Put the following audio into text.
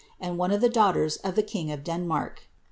and one of the daughters of the king of Denmark.'